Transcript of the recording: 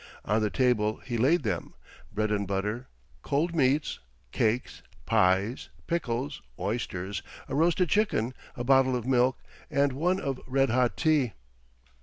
On the table he laid them—bread and butter, cold meats, cakes, pies, pickles, oysters, a roasted chicken, a bottle of milk and one of red hot tea.